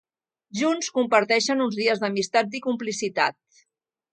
Junts, comparteixen uns dies d'amistat i complicitat.